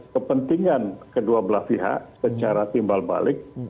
kepentingan kedua belah pihak secara timbal balik